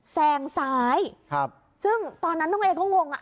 แซงซ้ายครับซึ่งตอนนั้นน้องเอก็งงอ่ะ